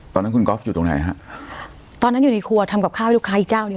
ตอนนั้นคุณก๊อฟอยู่ตรงไหนฮะตอนนั้นอยู่ในครัวทำกับข้าวให้ลูกค้าอีกเจ้าหนึ่ง